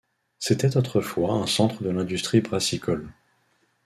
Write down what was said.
C'était autrefois un centre de l'industrie brassicole.